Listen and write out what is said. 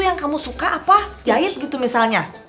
yang kamu suka apa jahit gitu misalnya